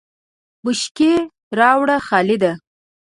بشکی راوړه خالده !